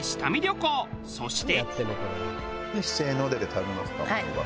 そして。